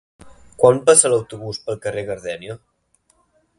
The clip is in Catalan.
Quan passa l'autobús pel carrer Gardènia?